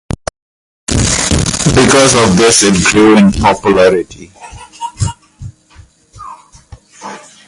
Because of this it grew in popularity.